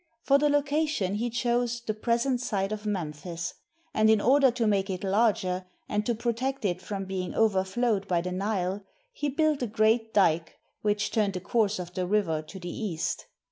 For the location he chose the present site of Memphis, and in order to make it larger, and to protect it from being over flowed by the Nile, he built a great dike which turned the course of the river to the east.